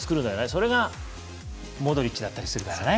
それがモドリッチだったりするからね。